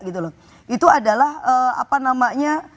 itu adalah apa namanya